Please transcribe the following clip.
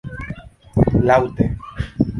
laŭte